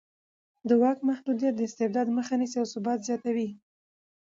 د واک محدودیت د استبداد مخه نیسي او ثبات زیاتوي